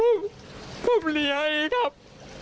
ขอเมียได้ลูกสองคุณคุณผู้หญิงให้ครับ